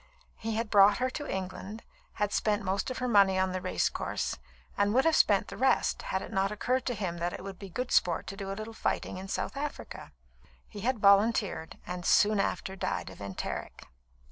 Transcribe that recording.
He had brought her to England, had spent most of her money on the race course, and would have spent the rest, had it not occurred to him that it would be good sport to do a little fighting in South Africa. He had volunteered, and soon after died of enteric.